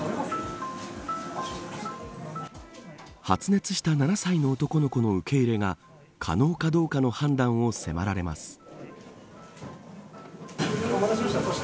発熱した７歳の男の子の受け入れが可能かどうかの判断を迫られます。